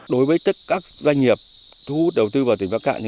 đối với các doanh nghiệp thu hút đầu tư vào tỉnh bắc cạn